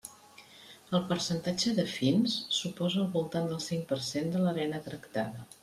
El percentatge de fins suposa al voltant del cinc per cent de l'arena tractada.